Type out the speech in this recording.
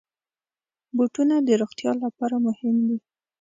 بوټونه د روغتیا لپاره مهم دي.